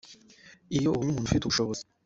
Iyo ubonye umuntu ufite ubushobozi